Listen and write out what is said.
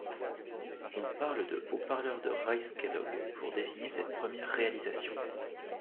On parle de haut-parleur de Rice-Kellogg pour désigner cette première réalisation.